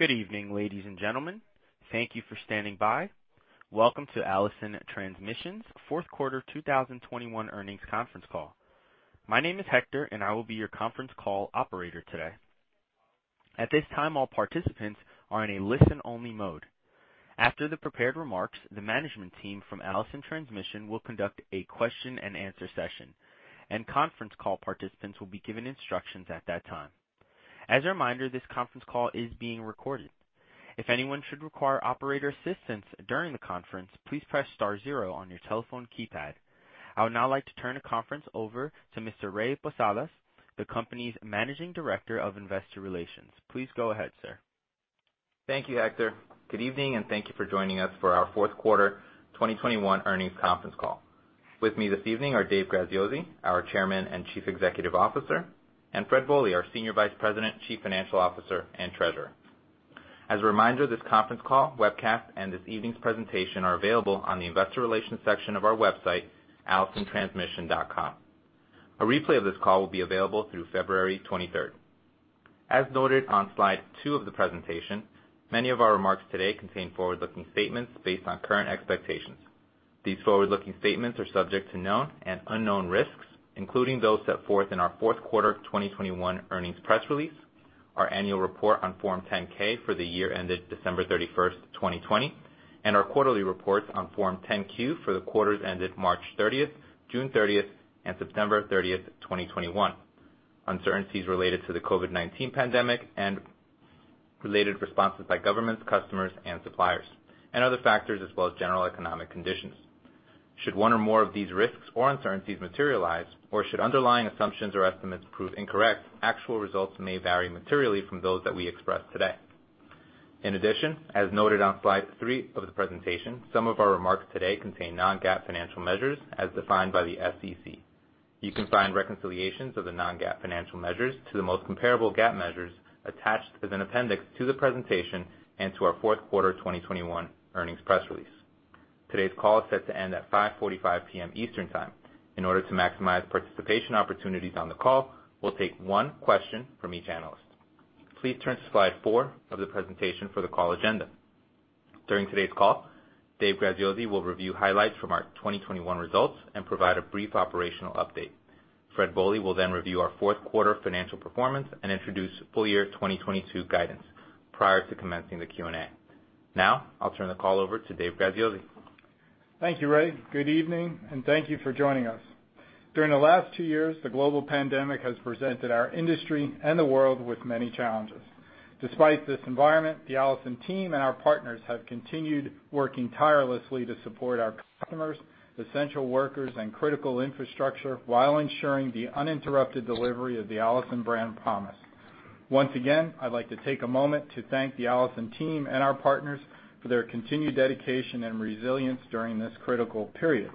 Good evening, ladies and gentlemen. Thank you for standing by. Welcome to Allison Transmission's Q4 2021 earnings conference call. My name is Hector, and I will be your conference call operator today. At this time, all participants are in a listen-only mode. After the prepared remarks, the management team from Allison Transmission will conduct a question-and-answer session, and conference call participants will be given instructions at that time. As a reminder, this conference call is being recorded. If anyone should require operator assistance during the conference, please press star zero on your telephone keypad. I would now like to turn the conference over to Mr. Ray Posadas, the company's Managing Director of Investor Relations. Please go ahead, sir. Thank you, Hector. Good evening, and thank you for joining us for our Q4 2021 earnings conference call. With me this evening are Dave Graziosi, our Chairman and Chief Executive Officer, and Fred Bohley, our Senior Vice President, Chief Financial Officer, and Treasurer. As a reminder, this conference call, webcast, and this evening's presentation are available on the investor relations section of our website, allisontransmission.com. A replay of this call will be available through February 23rd. As noted on slide two of the presentation, many of our remarks today contain forward-looking statements based on current expectations. These forward-looking statements are subject to known and unknown risks, including those set forth in our Q4 2021 earnings press release, our annual report on Form 10-K for the year ended December 31st 2020, and our quarterly reports on Form 10-Q for the quarters ended March 30th, June 30th, and September 30th, 2021, uncertainties related to the COVID-19 pandemic and related responses by governments, customers, and suppliers, and other factors as well as general economic conditions. Should one or more of these risks or uncertainties materialize, or should underlying assumptions or estimates prove incorrect, actual results may vary materially from those that we express today. In addition, as noted on slide three of the presentation, some of our remarks today contain non-GAAP financial measures as defined by the SEC. You can find reconciliations of the non-GAAP financial measures to the most comparable GAAP measures attached as an appendix to the presentation and to our Q4 2021 earnings press release. Today's call is set to end at 5:45 P.M. Eastern Time. In order to maximize participation opportunities on the call, we'll take one question from each analyst. Please turn to slide four of the presentation for the call agenda. During today's call, Dave Graziosi will review highlights from our 2021 results and provide a brief operational update. Fred Bohley will then review our Q4 financial performance and introduce full year 2022 guidance prior to commencing the Q&A. Now, I'll turn the call over to Dave Graziosi. Thank you, Ray. Good evening, and thank you for joining us. During the last two years, the global pandemic has presented our industry and the world with many challenges. Despite this environment, the Allison team and our partners have continued working tirelessly to support our customers, essential workers, and critical infrastructure while ensuring the uninterrupted delivery of the Allison brand promise. Once again, I'd like to take a moment to thank the Allison team and our partners for their continued dedication and resilience during this critical period.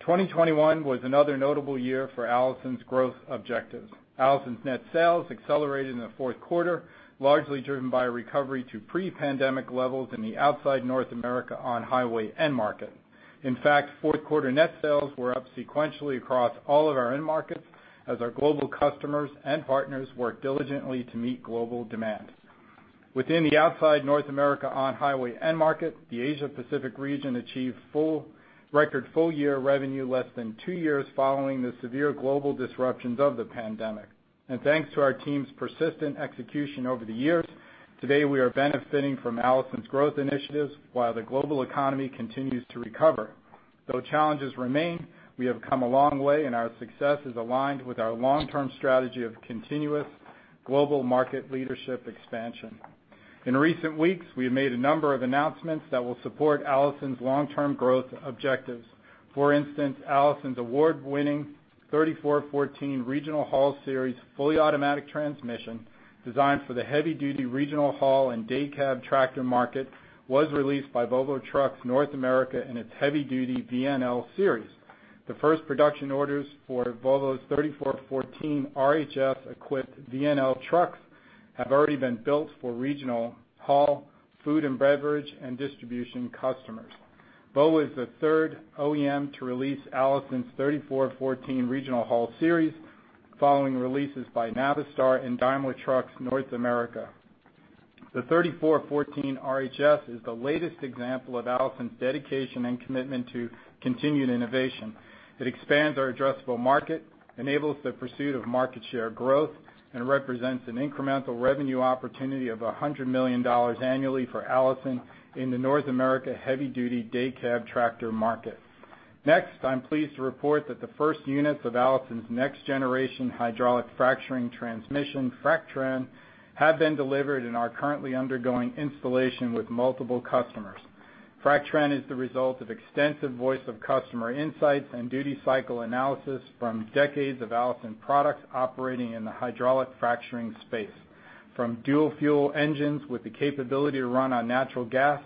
2021 was another notable year for Allison's growth objectives. Allison's net sales accelerated in the Q4, largely driven by a recovery to pre-pandemic levels in the outside North America on-highway end market. In fact, Q4 net sales were up sequentially across all of our end markets as our global customers and partners worked diligently to meet global demand. Within the outside North America on-highway end market, the Asia Pacific region achieved record full-year revenue less than two years following the severe global disruptions of the pandemic. Thanks to our team's persistent execution over the years, today we are benefiting from Allison's growth initiatives while the global economy continues to recover. Though challenges remain, we have come a long way, and our success is aligned with our long-term strategy of continuous global market leadership expansion. In recent weeks, we have made a number of announcements that will support Allison's long-term growth objectives. For instance, Allison's award-winning 3414 Regional Haul Series fully automatic transmission designed for the heavy-duty regional haul and day cab tractor market was released by Volvo Trucks North America in its heavy-duty VNL series. The first production orders for Volvo's 3414 RHS-equipped VNL trucks have already been built for regional haul, food and beverage, and distribution customers. Volvo is the third OEM to release Allison's 3414 Regional Haul Series following releases by Navistar and Daimler Truck North America. The 3414 RHS is the latest example of Allison's dedication and commitment to continued innovation. It expands our addressable market, enables the pursuit of market share growth, and represents an incremental revenue opportunity of $100 million annually for Allison in the North America heavy-duty day cab tractor market. Next, I'm pleased to report that the first units of Allison's next-generation hydraulic fracturing transmission, FracTran, have been delivered and are currently undergoing installation with multiple customers. FracTran is the result of extensive voice of customer insights and duty cycle analysis from decades of Allison products operating in the hydraulic fracturing space. From dual fuel engines with the capability to run on natural gas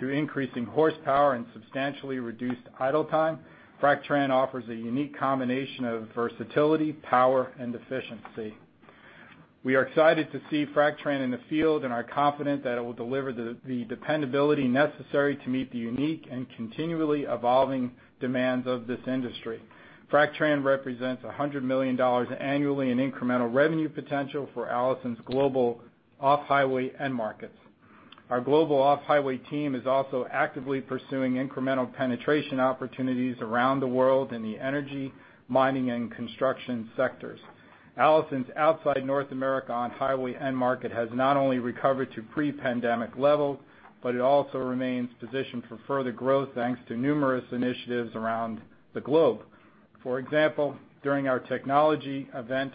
to increasing horsepower and substantially reduced idle time, FracTran offers a unique combination of versatility, power, and efficiency. We are excited to see FracTran in the field and are confident that it will deliver the dependability necessary to meet the unique and continually evolving demands of this industry. FracTran represents $100 million annually in incremental revenue potential for Allison's global off-highway end markets. Our global off-highway team is also actively pursuing incremental penetration opportunities around the world in the energy, mining, and construction sectors. Allison's outside North America on-highway end market has not only recovered to pre-pandemic levels, but it also remains positioned for further growth, thanks to numerous initiatives around the globe. For example, during our technology event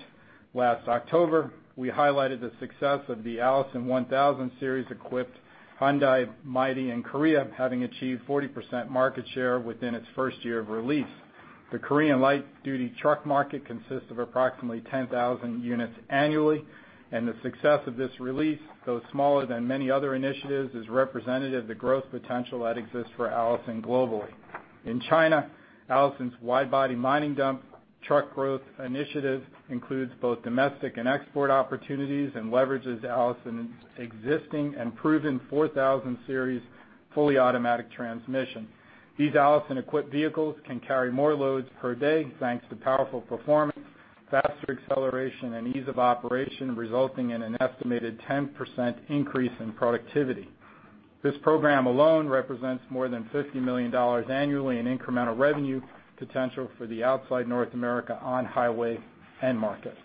last October, we highlighted the success of the Allison 1000 Series-equipped Hyundai Mighty in Korea, having achieved 40% market share within its first year of release. The Korean light-duty truck market consists of approximately 10,000 units annually, and the success of this release, though smaller than many other initiatives, is representative of the growth potential that exists for Allison globally. In China, Allison's wide-body mining dump truck growth initiative includes both domestic and export opportunities and leverages Allison's existing and proven 4000 Series fully automatic transmission. These Allison-equipped vehicles can carry more loads per day, thanks to powerful performance, faster acceleration, and ease of operation, resulting in an estimated 10% increase in productivity. This program alone represents more than $50 million annually in incremental revenue potential for the outside North America on-highway end market.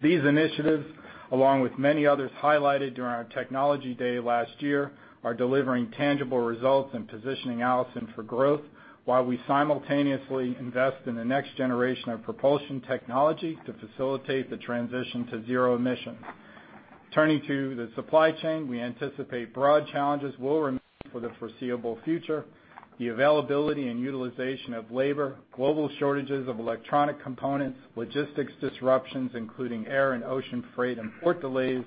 These initiatives, along with many others highlighted during our Technology Day last year, are delivering tangible results and positioning Allison for growth while we simultaneously invest in the next generation of propulsion technology to facilitate the transition to zero emissions. Turning to the supply chain, we anticipate broad challenges will remain for the foreseeable future. The availability and utilization of labor, global shortages of electronic components, logistics disruptions, including air and ocean freight and port delays,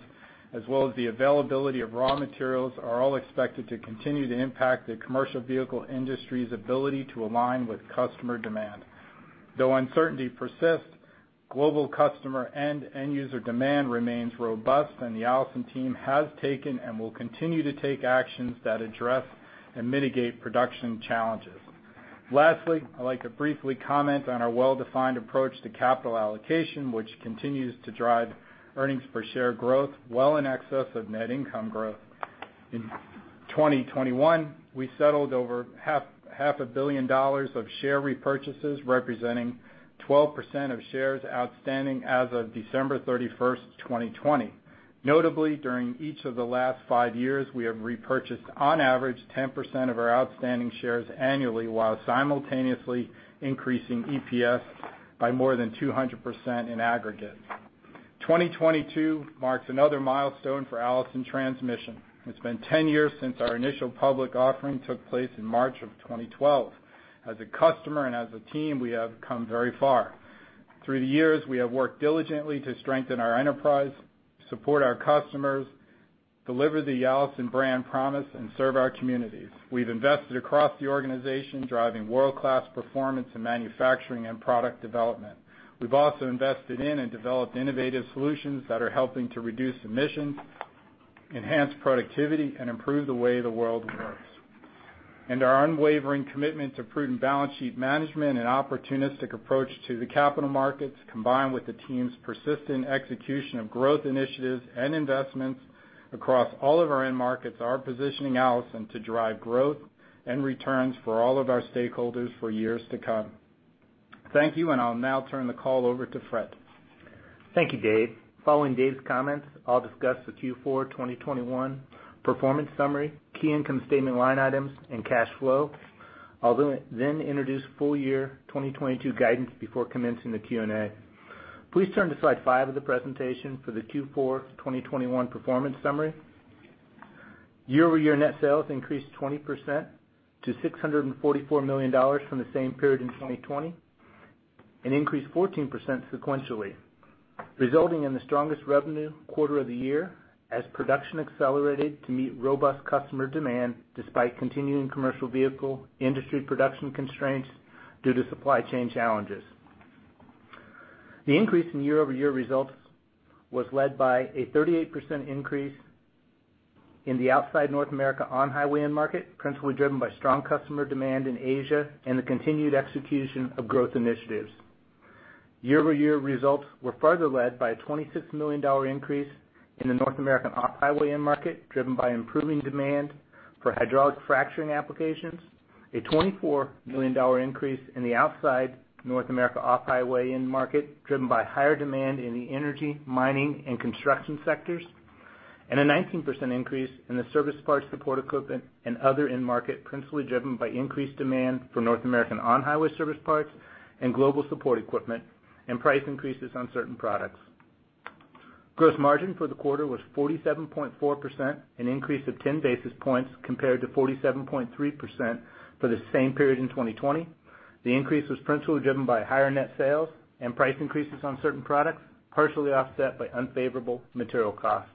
as well as the availability of raw materials, are all expected to continue to impact the commercial vehicle industry's ability to align with customer demand. Though uncertainty persists, global customer and end user demand remains robust, and the Allison team has taken and will continue to take actions that address and mitigate production challenges. Lastly, I'd like to briefly comment on our well-defined approach to capital allocation, which continues to drive earnings per share growth well in excess of net income growth. In 2021, we settled over $0.5 billion of share repurchases, representing 12% of shares outstanding as of December 31st, 2020. Notably, during each of the last five years, we have repurchased on average 10% of our outstanding shares annually while simultaneously increasing EPS by more than 200% in aggregate. 2022 marks another milestone for Allison Transmission. It's been 10 years since our initial public offering took place in March of 2012. As a customer and as a team, we have come very far. Through the years, we have worked diligently to strengthen our enterprise, support our customers, deliver the Allison brand promise, and serve our communities. We've invested across the organization, driving world-class performance in manufacturing and product development. We've also invested in and developed innovative solutions that are helping to reduce emissions, enhance productivity, and improve the way the world works. Our unwavering commitment to prudent balance sheet management and opportunistic approach to the capital markets, combined with the team's persistent execution of growth initiatives and investments across all of our end markets, are positioning Allison to drive growth and returns for all of our stakeholders for years to come. Thank you, and I'll now turn the call over to Fred. Thank you, Dave. Following Dave's comments, I'll discuss the Q4 2021 performance summary, key income statement line items, and cash flow. I'll then introduce full year 2022 guidance before commencing the Q&A. Please turn to slide 5 of the presentation for the Q4 2021 performance summary. Year-over-year net sales increased 20% to $644 million from the same period in 2020, and increased 14% sequentially, resulting in the strongest revenue quarter of the year as production accelerated to meet robust customer demand despite continuing commercial vehicle industry production constraints due to supply chain challenges. The increase in year-over-year results was led by a 38% increase in the outside North America on-highway end market, principally driven by strong customer demand in Asia and the continued execution of growth initiatives. Year-over-year results were further led by a $26 million increase in the North American off-highway end market, driven by improving demand for hydraulic fracturing applications, a $24 million increase in the outside North America off-highway end market, driven by higher demand in the energy, mining, and construction sectors, and a 19% increase in the service parts support equipment and other end market, principally driven by increased demand for North American on-highway service parts and global support equipment and price increases on certain products. Gross margin for the quarter was 47.4%, an increase of 10 basis points compared to 47.3% for the same period in 2020. The increase was principally driven by higher net sales and price increases on certain products, partially offset by unfavorable material costs.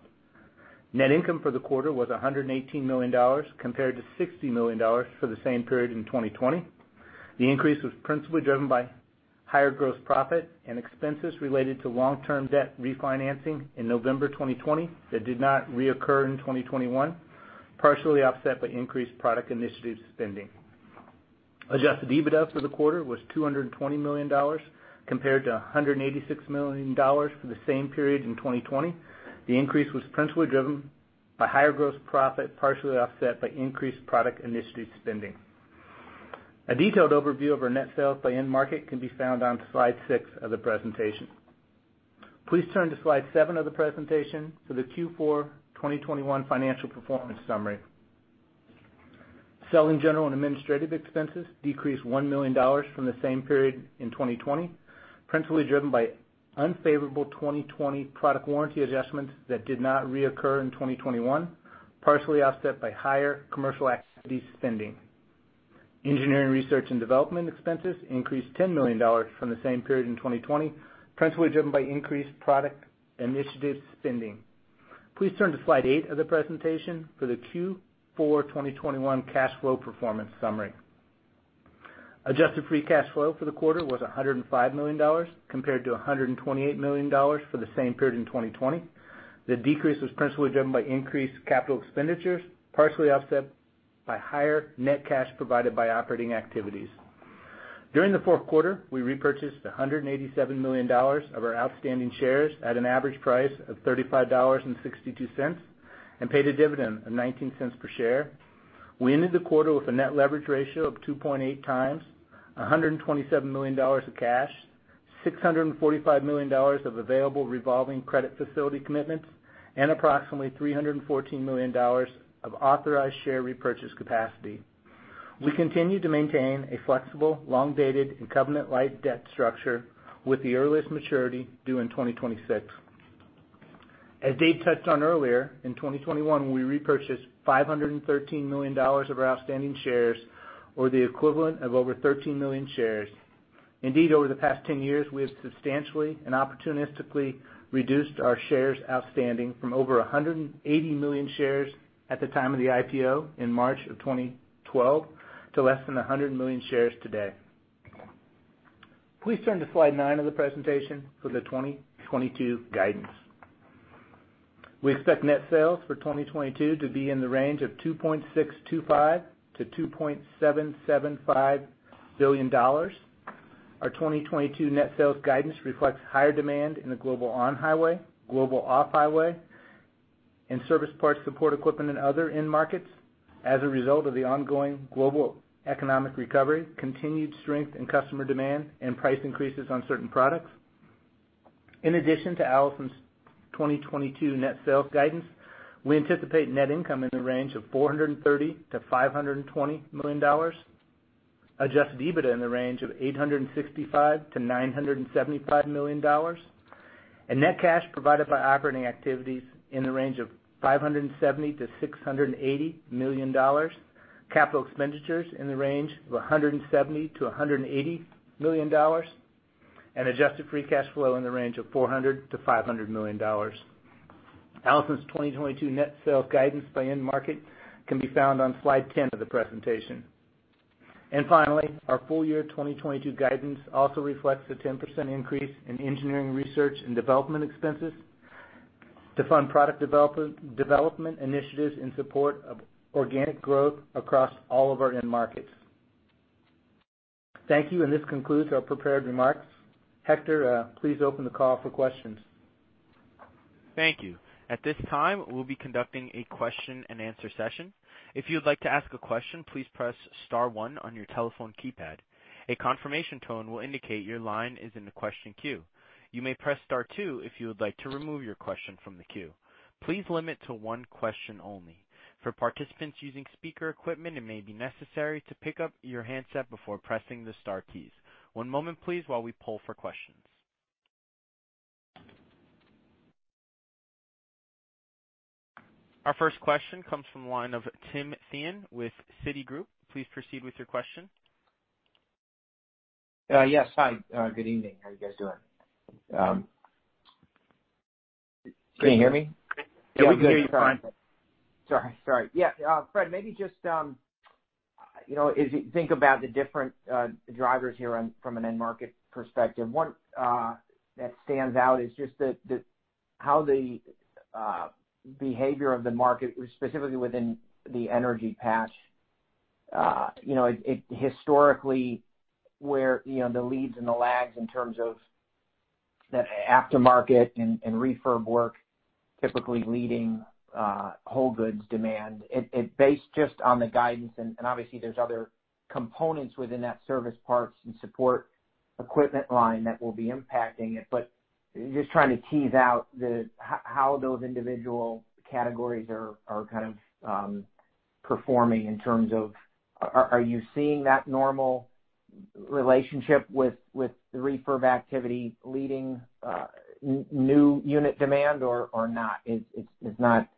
Net income for the quarter was $118 million, compared to $60 million for the same period in 2020. The increase was principally driven by higher gross profit and expenses related to long-term debt refinancing in November 2020 that did not reoccur in 2021, partially offset by increased product initiative spending. Adjusted EBITDA for the quarter was $220 million compared to $186 million for the same period in 2020. The increase was principally driven by higher gross profit, partially offset by increased product initiative spending. A detailed overview of our net sales by end market can be found on slide six of the presentation. Please turn to slide seven of the presentation for the Q4 2021 financial performance summary. Selling, general, and administrative expenses decreased $1 million from the same period in 2020, principally driven by unfavorable 2020 product warranty adjustments that did not reoccur in 2021, partially offset by higher commercial activity spending. Engineering, research, and development expenses increased $10 million from the same period in 2020, principally driven by increased product initiative spending. Please turn to slide eight of the presentation for the Q4 2021 cash flow performance summary. Adjusted free cash flow for the quarter was $105 million compared to $128 million for the same period in 2020. The decrease was principally driven by increased capital expenditures, partially offset by higher net cash provided by operating activities. During the Q4, we repurchased $187 million of our outstanding shares at an average price of $35.62 and paid a dividend of $0.19 per share. We ended the quarter with a net leverage ratio of 2.8x, $127 million of cash, $645 million of available revolving credit facility commitments, and approximately $314 million of authorized share repurchase capacity. We continue to maintain a flexible, long-dated, and covenant-light debt structure with the earliest maturity due in 2026. As Dave touched on earlier, in 2021, we repurchased $513 million of our outstanding shares or the equivalent of over 13 million shares. Indeed, over the past 10 years, we have substantially and opportunistically reduced our shares outstanding from over 180 million shares at the time of the IPO in March of 2012 to less than 100 million shares today. Please turn to slide nine of the presentation for the 2022 guidance. We expect net sales for 2022 to be in the range of $2.625 billion-$2.775 billion. Our 2022 net sales guidance reflects higher demand in the global on-highway, global off-highway, and service parts support equipment and other end markets as a result of the ongoing global economic recovery, continued strength in customer demand, and price increases on certain products. In addition to Allison's 2022 net sales guidance, we anticipate net income in the range of $430 million-$520 million, adjusted EBITDA in the range of $865 million-$975 million, and net cash provided by operating activities in the range of $570 million-$680 million, capital expenditures in the range of $170 million-$180 million, and adjusted free cash flow in the range of $400 million-$500 million. Allison's 2022 net sales guidance by end market can be found on slide 10 of the presentation. Finally, our full year 2022 guidance also reflects a 10% increase in engineering, research, and development expenses to fund product development initiatives in support of organic growth across all of our end markets. Thank you, and this concludes our prepared remarks. Hector, please open the call for questions. Thank you. At this time, we'll be conducting a question-and-answer session. If you'd like to ask a question, please press star one on your telephone keypad. A confirmation tone will indicate your line is in the question queue. You may press star two if you would like to remove your question from the queue. Please limit to one question only. For participants using speaker equipment, it may be necessary to pick up your handset before pressing the star keys. One moment, please, while we poll for questions. Our first question comes from the line of Tim Thein with Citigroup. Please proceed with your question. Yes. Hi. Good evening. How are you guys doing? Can you hear me? Yeah, we can hear you fine. Sorry. Yeah, Fred, maybe just, you know, as you think about the different drivers here from an end market perspective, what stands out is just how the behavior of the market, specifically within the energy patch, you know, it historically, where, you know, the leads and the lags in terms of the aftermarket and refurb work typically leading whole goods demand. Based just on the guidance, and obviously there's other components within that service parts and support equipment line that will be impacting it, but just trying to tease out how those individual categories are kind of performing in terms of, are you seeing that normal relationship with the refurb activity leading new unit demand or not? It's not,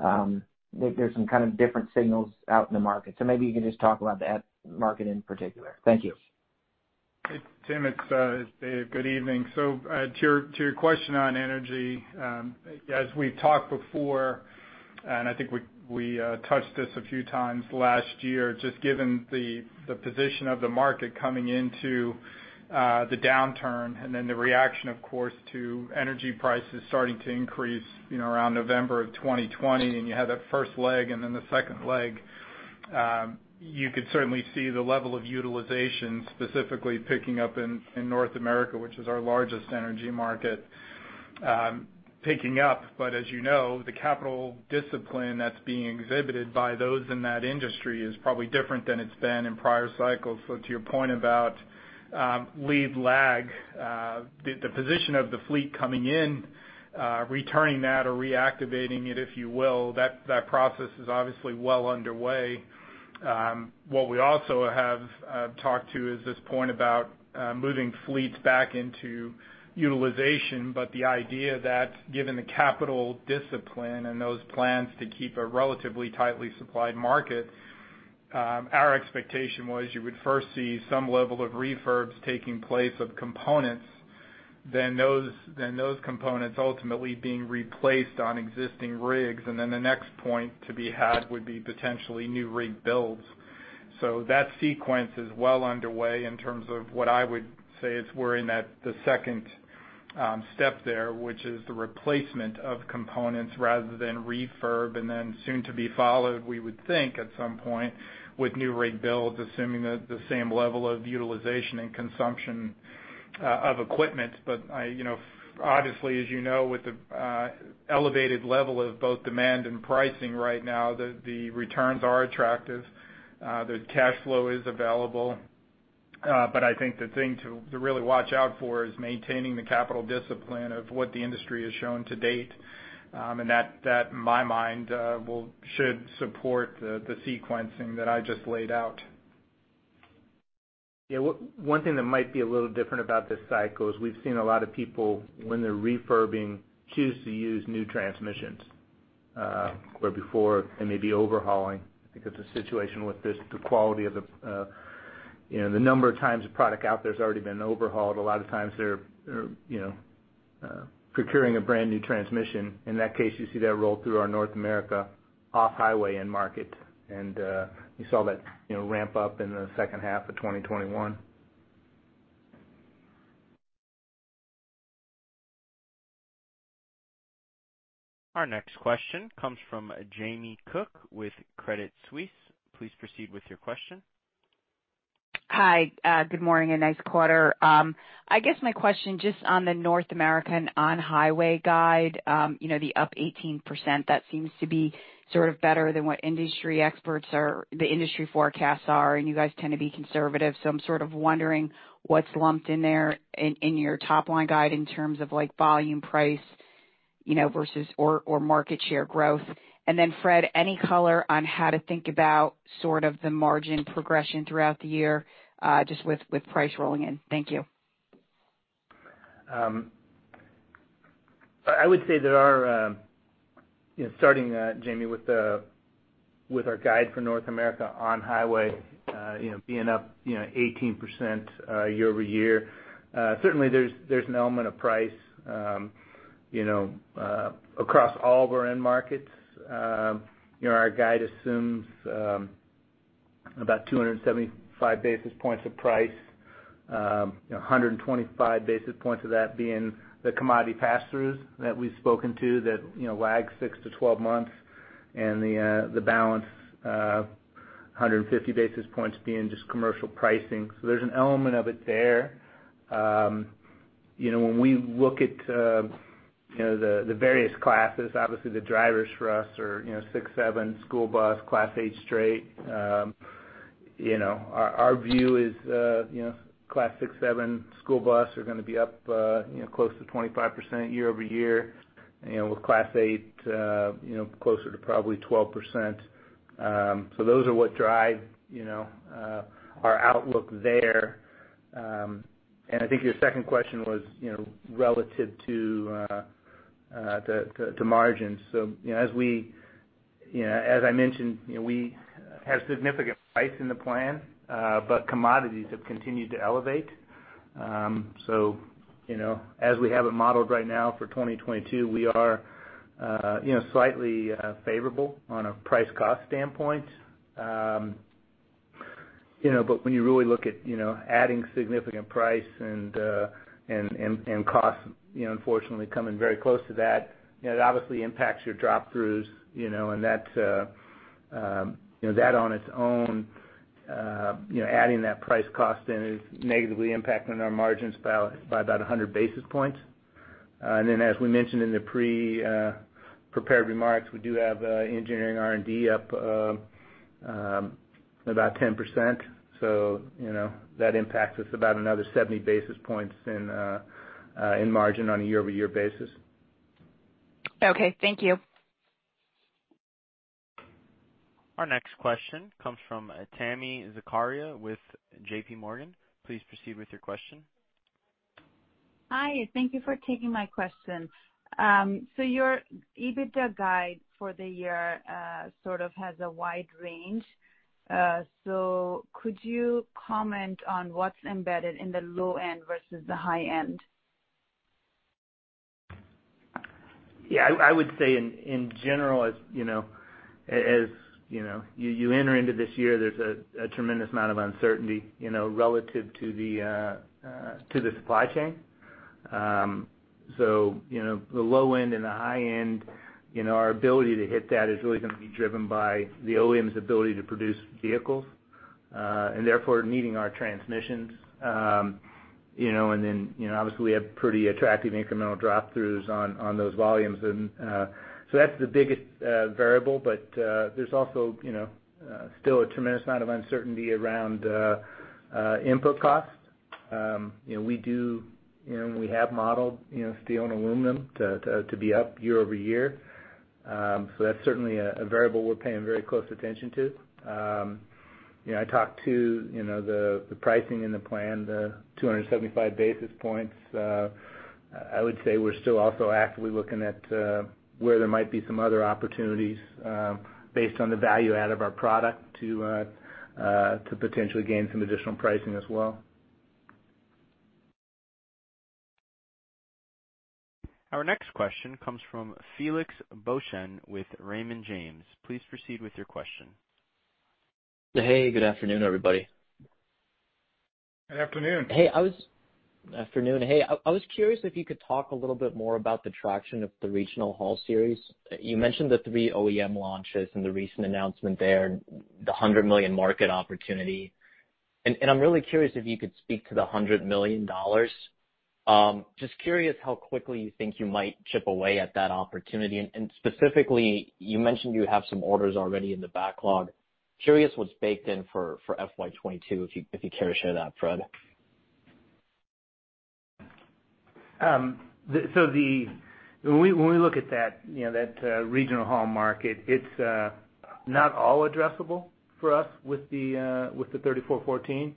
maybe there's some kind of different signals out in the market. Maybe you can just talk about that market in particular. Thank you. Tim, it's Dave. Good evening. To your question on energy, as we've talked before, and I think we touched this a few times last year, just given the position of the market coming into the downturn and then the reaction, of course, to energy prices starting to increase, you know, around November of 2020, and you had that first leg and then the second leg. You could certainly see the level of utilization specifically picking up in North America, which is our largest energy market, picking up. As you know, the capital discipline that's being exhibited by those in that industry is probably different than it's been in prior cycles. To your point about lead lag, the position of the fleet coming in, returning that or reactivating it, if you will, that process is obviously well underway. What we also have talked to is this point about moving fleets back into utilization. The idea that given the capital discipline and those plans to keep a relatively tightly supplied market, our expectation was you would first see some level of refurbs taking place of components, then those components ultimately being replaced on existing rigs. Then the next point to be had would be potentially new rig builds. That sequence is well underway in terms of what I would say is we're in that the second step there, which is the replacement of components rather than refurb. Then soon to be followed, we would think at some point, with new rig builds, assuming the same level of utilization and consumption of equipment. I, you know, obviously, as you know, with the elevated level of both demand and pricing right now, the returns are attractive. The cash flow is available. I think the thing to really watch out for is maintaining the capital discipline of what the industry has shown to date. That, in my mind, should support the sequencing that I just laid out. Yeah. One thing that might be a little different about this cycle is we've seen a lot of people, when they're refurbing, choose to use new transmissions, where before they may be overhauling because the situation with this, the quality of the, you know, the number of times a product out there has already been overhauled, a lot of times they're, you know, procuring a brand new transmission. In that case, you see that roll through our North America off-highway end market. You saw that, you know, ramp up in the H2 of 2021. Our next question comes from Jamie Cook with Credit Suisse. Please proceed with your question. Hi. Good morning, and nice quarter. I guess my question just on the North American on-highway guide, you know, the up 18%, that seems to be sort of better than what the industry forecasts are, and you guys tend to be conservative. So I'm sort of wondering what's lumped in there in your top-line guide in terms of like volume price, you know, versus or market share growth. Then Fred, any color on how to think about sort of the margin progression throughout the year, just with price rolling in? Thank you. I would say there are, you know, starting, Jamie, with our guide for North America on highway, you know, being up 18% year-over-year, certainly there's an element of price, you know, across all of our end markets. You know, our guide assumes about 275 basis points of price, you know, 125 basis points of that being the commodity pass-throughs that we've spoken to that, you know, lag six to 12 months, and the balance, 150 basis points being just commercial pricing. So there's an element of it there. You know, when we look at, you know, the various classes, obviously the drivers for us are, you know, Class 6, Class 7 school bus, Class 8 straight. You know, our view is, you know, Class 6, 7 school bus are gonna be up, you know, close to 25% year-over-year, you know, with Class 8, you know, closer to probably 12%. Those are what drive, you know, our outlook there. I think your second question was, you know, relative to margins. You know, as we, you know, as I mentioned, you know, we have significant price in the plan, but commodities have continued to elevate. You know, as we have it modeled right now for 2022, we are, you know, slightly favorable on a price-cost standpoint. You know, when you really look at, you know, adding significant price and cost, you know, unfortunately coming very close to that, you know, it obviously impacts your drop-throughs, you know, and that, you know, that on its own, you know, adding that price cost in is negatively impacting our margins by about 100 basis points. Then as we mentioned in the prepared remarks, we do have engineering R&D up about 10%. You know, that impacts us about another 70 basis points in margin on a year-over-year basis. Okay, thank you. Our next question comes from Tami Zakaria with JPMorgan. Please proceed with your question. Hi. Thank you for taking my question. Your EBITDA guide for the year sort of has a wide range. Could you comment on what's embedded in the low end versus the high end? Yeah. I would say in general, as you know, you enter into this year, there's a tremendous amount of uncertainty, you know, relative to the supply chain. You know, the low end and the high end, you know, our ability to hit that is really gonna be driven by the OEM's ability to produce vehicles and therefore needing our transmissions. You know, and then, you know, obviously we have pretty attractive incremental drop-throughs on those volumes. That's the biggest variable. But there's also, you know, still a tremendous amount of uncertainty around input costs. You know, we do and we have modeled, you know, steel and aluminum to be up year-over-year. That's certainly a variable we're paying very close attention to. You know, I talked to, you know, the pricing in the plan, the 275 basis points. I would say we're still also actively looking at where there might be some other opportunities, based on the value add of our product to potentially gain some additional pricing as well. Our next question comes from Felix Boeschen with Raymond James. Please proceed with your question. Hey, good afternoon, everybody. Good afternoon. Good afternoon. I was curious if you could talk a little bit more about the traction of the Regional Haul Series. You mentioned the three OEM launches and the recent announcement there, the $100 million market opportunity. I'm really curious if you could speak to the $100 million. Just curious how quickly you think you might chip away at that opportunity. Specifically, you mentioned you have some orders already in the backlog. Curious what's baked in for FY 2022, if you care to share that, Fred. When we look at that, you know, that regional haul market, it's not all addressable for us with the 3414.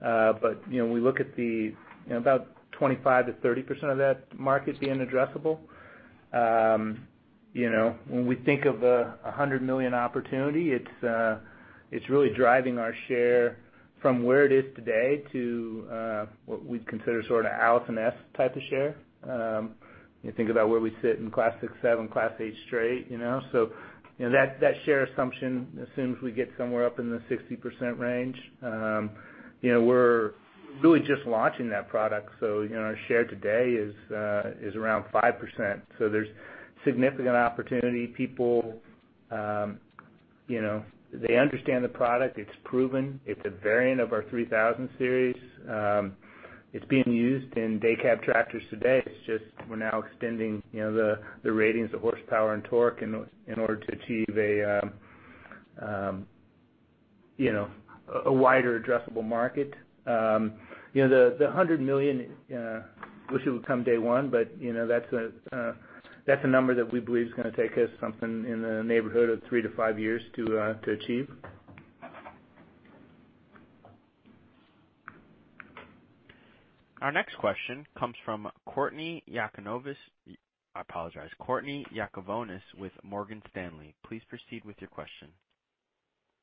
But, you know, we look at the, you know, about 25%-30% of that market being addressable. You know, when we think of a $100 million opportunity, it's really driving our share from where it is today to what we'd consider sort of Allison's type of share. You think about where we sit in Class 6, 7, Class 8 straight, you know? You know, that share assumption assumes we get somewhere up in the 60% range. You know, we're really just launching that product, you know, our share today is around 5%, so there's significant opportunity. People, you know, they understand the product. It's proven. It's a variant of our 3000 Series. It's being used in day cab tractors today. It's just we're now extending, you know, the ratings of horsepower and torque in order to achieve a, you know, a wider addressable market. You know, the $100 million, wish it would come day one, but, you know, that's a number that we believe is gonna take us something in the neighborhood of three to five years to achieve. Our next question comes from Courtney Yakavonis. I apologize. Courtney Yakavonis with Morgan Stanley. Please proceed with your question.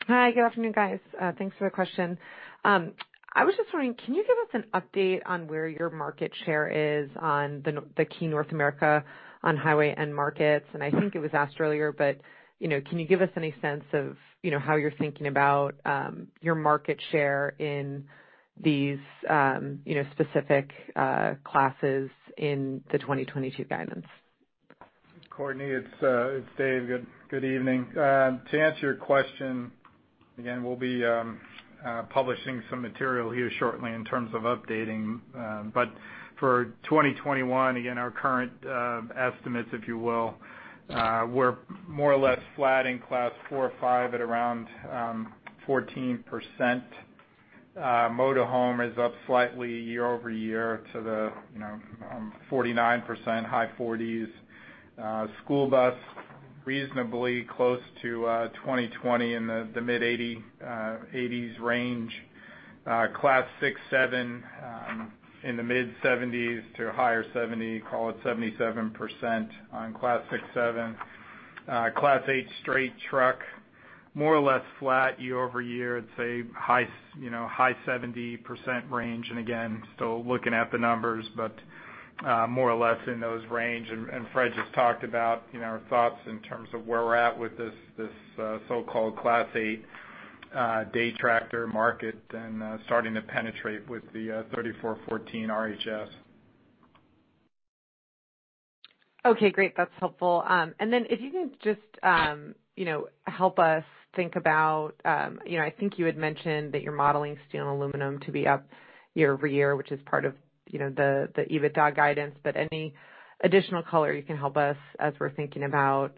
Hi, good afternoon, guys. Thanks for the question. I was just wondering, can you give us an update on where your market share is in the key North American on-highway end markets? I think it was asked earlier, but, you know, can you give us any sense of, you know, how you're thinking about your market share in these specific classes in the 2022 guidance? Courtney, it's Dave. Good evening. To answer your question, again, we'll be publishing some material here shortly in terms of updating. For 2021, again, our current estimates, if you will, were more or less flat in Class 4, 5 at around 14%. Motorhome is up slightly year-over-year to 49%, high 40s. School bus reasonably close to 2020 in the mid-80s range. Class 6, 7 in the mid-70s to high 70s, call it 77% on Class 6, 7. Class 8 straight truck, more or less flat year-over-year. It's a high 70% range, and again, still looking at the numbers, but more or less in those ranges. Fred just talked about, you know, our thoughts in terms of where we're at with this so-called Class 8 day tractor market and starting to penetrate with the 3414 RHS. Okay, great. That's helpful. If you can just, you know, help us think about, you know, I think you had mentioned that you're modeling steel and aluminum to be up year-over-year, which is part of, you know, the EBITDA guidance, but any additional color you can help us as we're thinking about,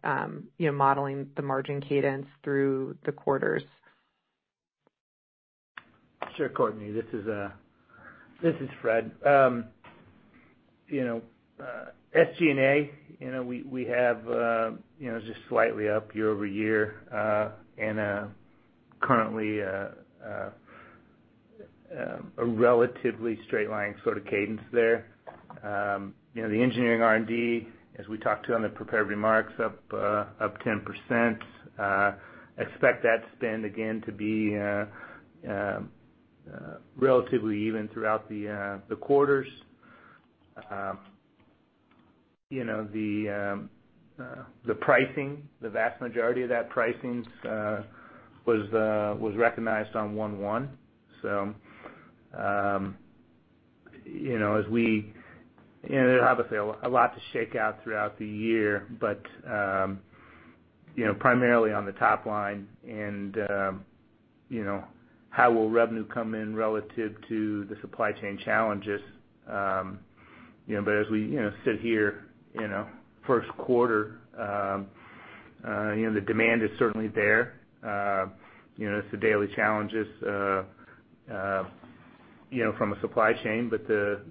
you know, modeling the margin cadence through the quarters? Sure, Courtney. This is Fred. You know, SG&A, you know, we have just slightly up year-over-year, and currently a relatively straight line sort of cadence there. You know, the engineering R&D, as we talked about in the prepared remarks, up 10%. Expect that spend again to be relatively even throughout the quarters. You know, the pricing, the vast majority of that pricing was recognized on 1/1. You know, there's obviously a lot to shake out throughout the year, but you know, primarily on the top line and you know, how will revenue come in relative to the supply chain challenges. You know, but as we, you know, sit here in a Q1, you know, the demand is certainly there. You know, it's the daily challenges, you know, from a supply chain, but the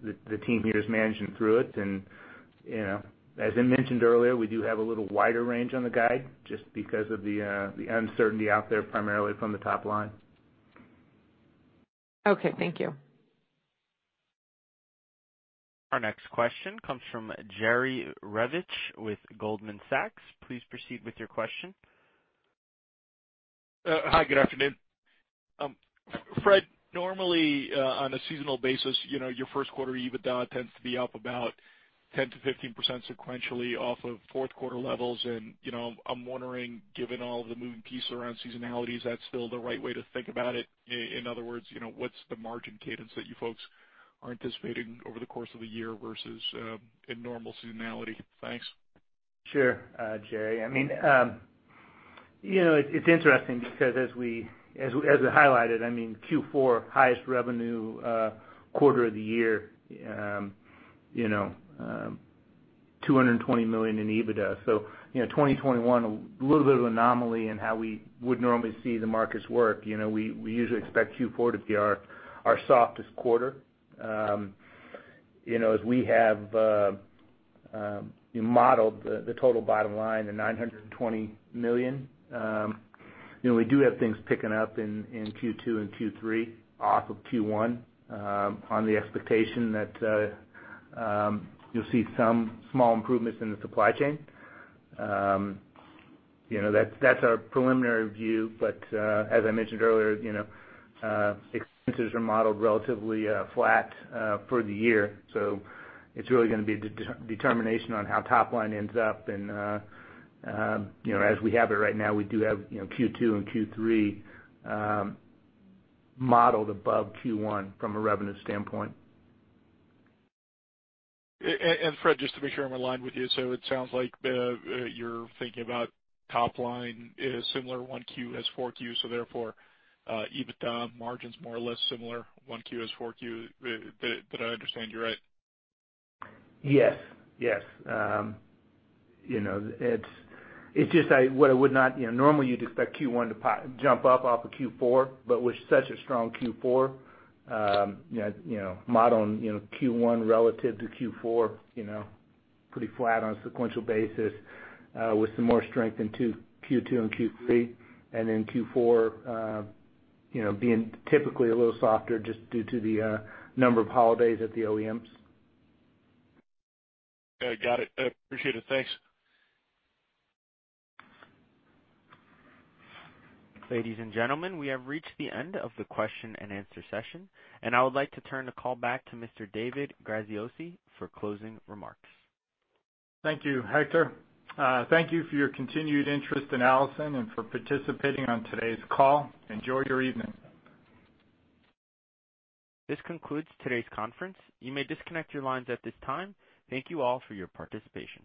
team here is managing through it. You know, as I mentioned earlier, we do have a little wider range on the guide just because of the uncertainty out there, primarily from the top line. Okay, thank you. Our next question comes from Jerry Revich with Goldman Sachs. Please proceed with your question. Hi, good afternoon. Fred, normally, on a seasonal basis, you know, your Q1 EBITDA tends to be up about 10%-15% sequentially off of Q4 levels. You know, I'm wondering, given all the moving pieces around seasonality, is that still the right way to think about it? In other words, you know, what's the margin cadence that you folks are anticipating over the course of the year versus a normal seasonality? Thanks. Sure, Jerry. I mean, you know, it's interesting because as we highlighted, I mean, Q4 highest revenue quarter of the year, you know, $220 million in EBITDA. You know, 2021, a little bit of anomaly in how we would normally see the markets work. You know, we usually expect Q4 to be our softest quarter. You know, as we have modeled the total bottom line, the $920 million, you know, we do have things picking up in Q2 and Q3 off of Q1, on the expectation that you'll see some small improvements in the supply chain. You know, that's our preliminary view. As I mentioned earlier, you know, expenses are modeled relatively flat for the year. It's really gonna be a determination on how top line ends up. You know, as we have it right now, we do have, you know, Q2 and Q3 modeled above Q1 from a revenue standpoint. Fred Bohley, just to make sure I'm aligned with you. It sounds like you're thinking about top line is similar Q1 as Q4, so therefore, EBITDA margins more or less similar Q1 as Q4. Did I understand you right? You know, normally you'd expect Q1 to jump up off of Q4, but with such a strong Q4, you know, modeling, you know, Q1 relative to Q4, you know, pretty flat on a sequential basis, with some more strength in Q2 and Q3. Q4, you know, being typically a little softer just due to the number of holidays at the OEMs. Okay, got it. I appreciate it. Thanks. Ladies and gentlemen, we have reached the end of the question-and-answer session, and I would like to turn the call back to Mr. David Graziosi for closing remarks. Thank you, Hector. Thank you for your continued interest in Allison and for participating on today's call. Enjoy your evening. This concludes today's conference. You may disconnect your lines at this time. Thank you all for your participation.